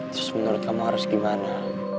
terus menurut kamu harus gimana